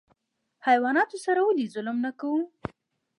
حیواناتو سره ولې ظلم نه کوو؟